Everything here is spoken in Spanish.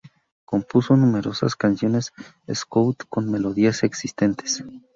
Compuso numerosas canciones scout con melodías existentes.